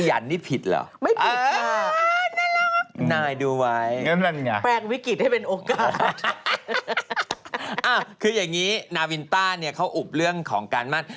อะไรเนี่ยนาวินต้าอุบตอบเรื่องมั่น